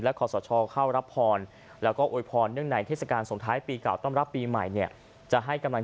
และรัฐบุรุษนั้น